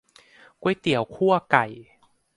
ก๋วยเตี๋ยวคั่วไก่